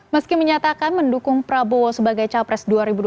meski menyatakan mendukung prabowo sebagai capres dua ribu dua puluh